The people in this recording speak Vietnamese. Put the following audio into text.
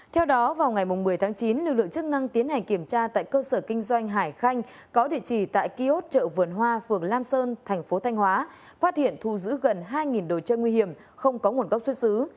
theo đó vào ngày một mươi tháng chín lực lượng chức năng tiến hành kiểm tra tại cơ sở kinh doanh hải khanh có địa chỉ tại kiosk chợ vườn hoa phường lam sơn thành phố thanh hóa phát hiện thu giữ gần hai đồ chơi nguy hiểm không có nguồn gốc xuất xứ